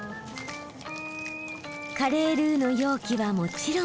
カレールーの容器はもちろん。